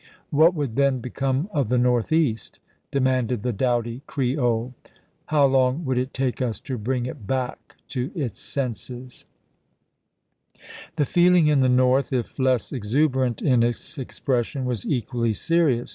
What would then become vmere, of tne Northeast !» demanded the doughty Creole. i863.ayw?k " How long would it take us to bring it back to its Vol. XIV., q „ P. 955. senses f " The feeling in the North, if less exuberant in its expression, was equally serious.